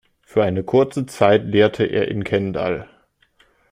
Für eine kurze Zeit lehrte er in Kendall.